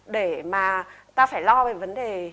để mà ta phải lo về vấn đề